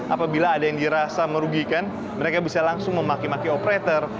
apabila ada yang dirasa merugikan mereka bisa langsung memaki maki operator